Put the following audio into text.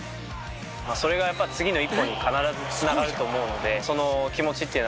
それがやっぱり次の一歩に必ず繋がると思うので。